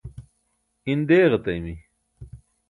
in deeġataymi